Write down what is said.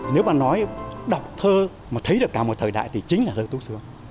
nếu mà nói đọc thơ mà thấy được cả một thời đại thì chính là thơ tú xương